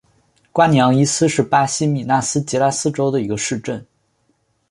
瓜尼扬伊斯是巴西米纳斯吉拉斯州的一个市镇。